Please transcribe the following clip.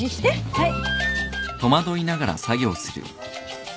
はい。